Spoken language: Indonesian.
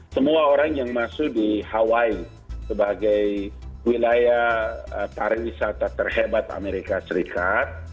semua orang yang masuk di hawaii sebagai wilayah pariwisata terhebat amerika serikat